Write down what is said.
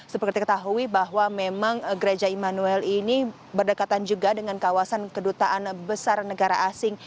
seperti ketahui bahwa memang gereja immanuel ini berdekatan juga dengan kawasan kedutaan besar negara asing